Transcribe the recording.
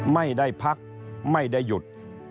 ไม่ได้พักไม่ได้หยุด